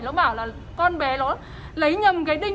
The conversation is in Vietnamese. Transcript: nó bảo là con bé nó lấy nhầm cái định